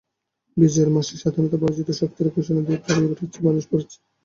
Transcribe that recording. বিজয়ের মাসে স্বাধীনতার পরাজিত শক্তিরা ঘোষণা দিয়েই গাড়ি পোড়াচ্ছে, মানুষ পোড়াচ্ছে।